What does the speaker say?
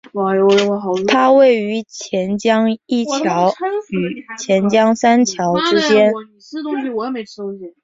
它位于钱江一桥与钱江三桥之间。